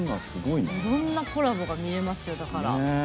いろんなコラボが見れますよ。